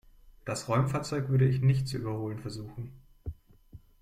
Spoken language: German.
Das Räumfahrzeug würde ich nicht zu überholen versuchen.